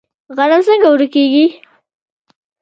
غنم څنګه اوړه کیږي؟